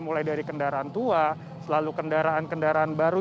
mulai dari kendaraan tua selalu kendaraan kendaraan baru